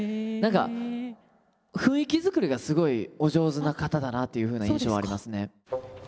何か雰囲気づくりがすごいお上手な方だなというふうな印象はありますね。